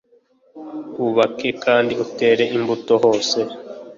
ubake kandi utere imbuto hose